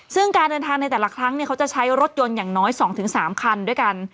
ซึ่งการเดินทางในแต่ละครั้งเขาจะใช้รถยนต์อย่างน้อย๒๓คันด้วยกัน